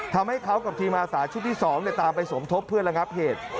ทำให้เขากับทีมอาสาชุดที่๒ตามไปสมทบเพื่อระงับเหตุ